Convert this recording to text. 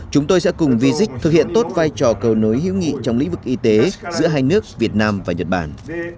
chúng tôi sẽ cùng visig thực hiện tốt vai trò cầu nối hữu nghị trong lĩnh vực y tế giữa hai nước việt nam và nhật bản